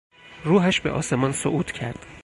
روحش به آسمان صعود کرد.